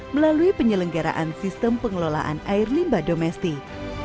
melalui penyelenggaraan sistem pengelolaan air limba domestik